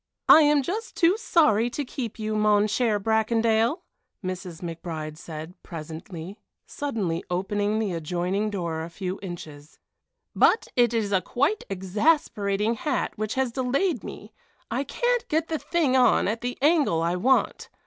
"I am just too sorry to keep you, mon cher Bracondale," Mrs. McBride said, presently, suddenly opening the adjoining door a few inches, "but it is a quite exasperating hat which has delayed me. I can't get the thing on at the angle I want.